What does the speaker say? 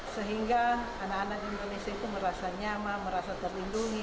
sehingga anak anak indonesia itu merasa nyaman merasa terlindungi